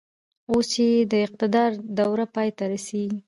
اوس چې يې د اقتدار دوره پای ته رسېږي.